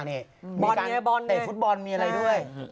เตะฟุตบอลมีอะไรด้วย